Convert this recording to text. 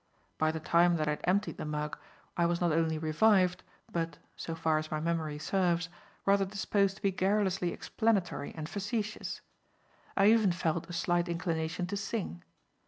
By the time that I had emptied the mug I was not only revived, but (so far as my memory serves) rather disposed to be garrulously explanatory and facetious. I even felt a slight inclination to sing.